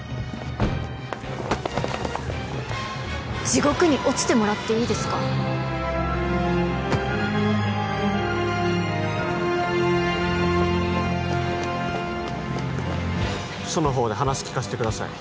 地獄に落ちてもらっていいですか署のほうで話聞かせてください